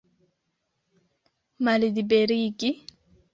Malliberigi!